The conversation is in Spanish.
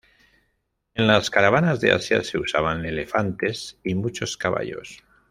En las caravanas de Asia se usaban elefantes y muchos caballos.